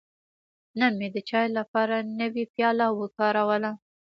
نن مې د چای لپاره نوی پیاله وکاروله.